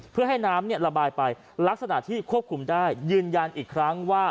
เพื่อให้น้ำระบายไปลักษณะที่ควบคุมได้ยืนยันอีกครั้งว่า